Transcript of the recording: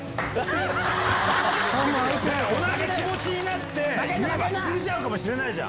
同じ気持ちになって言えば通じ合うかもしれない。